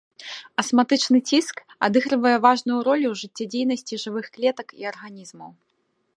Асматычны ціск адыгрывае важную ролю ў жыццядзейнасці жывых клетак і арганізмаў.